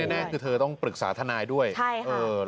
แน่คือเธอต้องปรึกษาทนายด้วยใช่ค่ะ